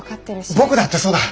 僕だってそうだ。